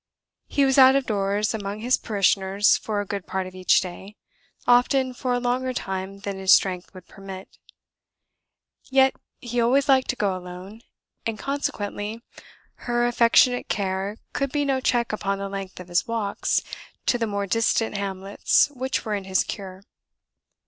He was out of doors among his parishioners for a good part of each day; often for a longer time than his strength would permit. Yet he always liked to go alone, and consequently her affectionate care could be no check upon the length of his walks to the more distant hamlets which were in his cure.